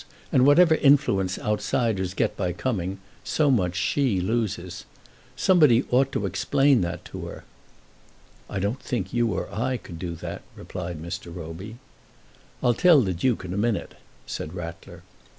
And whatever influence outsiders get by coming, so much she loses. Somebody ought to explain that to her." "I don't think you or I could do that," replied Mr. Roby. "I'll tell the Duke in a minute," said Rattler.